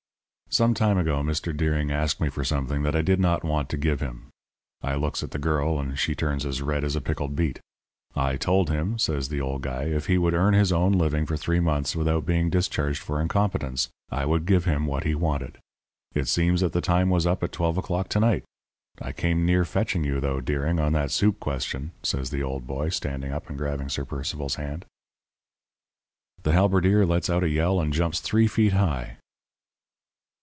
'Some time ago Mr. Deering asked me for something that I did not want to give him.' (I looks at the girl, and she turns as red as a pickled beet.) 'I told him,' says the old guy, 'if he would earn his own living for three months without being discharged for incompetence, I would give him what he wanted. It seems that the time was up at twelve o'clock to night. I came near fetching you, though, Deering, on that soup question,' says the old boy, standing up and grabbing Sir Percival's hand. "The halberdier lets out a yell and jumps three feet high.